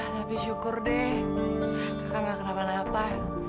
tapi syukur deh kakak gak kena apa dua